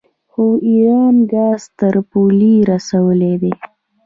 خو ایران ګاز تر پولې رسولی دی.